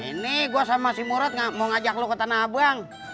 ini gue sama si murid mau ngajak lo ke tanah abang